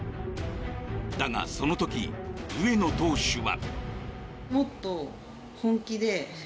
だが、その時、上野投手は。